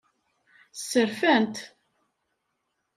Sserfan-t.